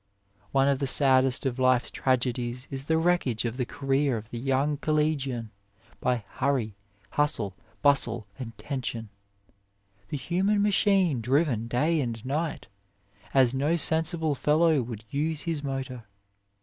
One of the saddest of life s tragedies is the wreckage of the career of the young collegian by hurry, hustle, bustle and tension the human machine driven day and night, as no sensible fellow would use his motor.